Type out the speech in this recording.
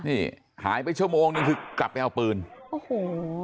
นี่หายไปชั่วโมงนึงคือกลับไปเอาปืนโอ้โห